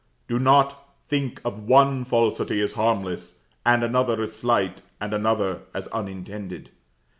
Do not think of one falsity as harmless, and another as slight, and another as unintended.